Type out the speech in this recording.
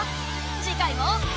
次回も。